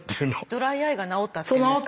ドライアイが治ったっていうんですか？